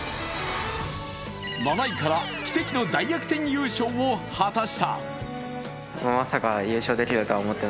７位から奇跡の大逆転優勝を果たした。